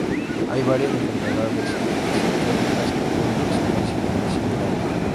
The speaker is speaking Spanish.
Hay varias enfermedades psiquiátricas que pueden presentar síntomas similares.